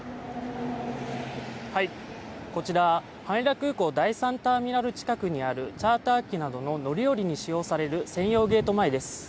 こちら羽田空港第３ターミナル近くにあるチャーター機などの乗り降りに使用される専用ゲート前です。